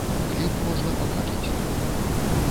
Кліп можна пабачыць тут.